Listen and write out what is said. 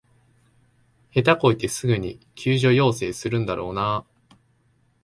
下手こいてすぐに救助要請するんだろうなあ